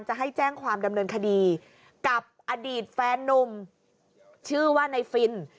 จะให้แจ้งความดำเนินคดีกับอดีตแฟนนุ่มชื่อว่าในฟิน